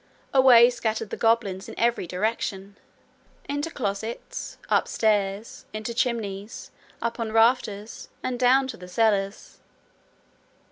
Away scattered the goblins in every direction into closets, up stairs, into chimneys, up on rafters, and down to the cellars.